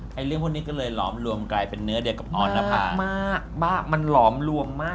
เรื่องพวกนี้ก็เลยหลอมรวมกลายเป็นเนอร์เดียวกับออนนะครับ